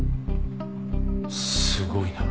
すごいな。